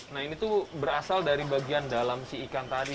nah ini tuh berasal dari bagian dalam si ikan tadi